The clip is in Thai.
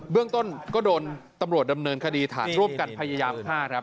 เรื่องต้นก็โดนตำรวจดำเนินคดีฐานร่วมกันพยายามฆ่าครับ